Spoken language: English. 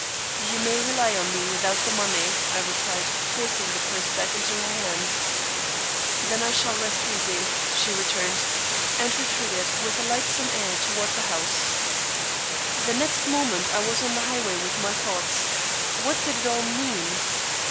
"You may rely on me without the money," I replied, forcing the purse back into her hand. "Then I shall rest easy," she returned, and retreated with a lightsome air toward the house. The next moment I was on the highway with my thoughts. What did it all mean?